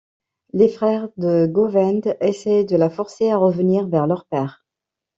Les frères de Govend essayent de la forcer à revenir vers leur père.